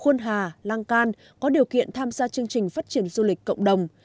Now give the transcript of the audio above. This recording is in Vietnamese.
khuôn hà lăng can có điều kiện tham gia chương trình phát triển du lịch cộng đồng